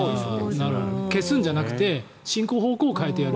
消すんじゃなくて進行方向を変えてやる。